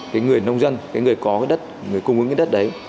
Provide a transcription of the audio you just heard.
cái người nông dân cái người có cái đất người cung ứng cái đất đấy